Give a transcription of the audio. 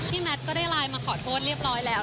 แมทก็ได้ไลน์มาขอโทษเรียบร้อยแล้ว